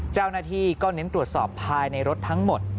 เจ้าหน้าที่ก็เน้นตรวจสอบภายในรถทั้งหมด